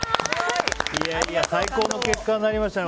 最高の結果になりましたね